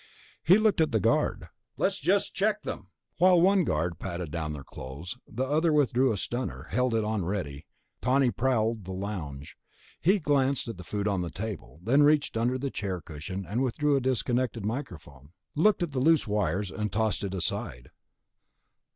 He looked at the guard. "Let's just check them." While one guard patted down their clothes, the other withdrew a stunner, held it on ready. Tawney prowled the lounge. He glanced at the food on the table, then reached under the chair cushion and withdrew the disconnected microphone, looked at the loose wires, and tossed it aside.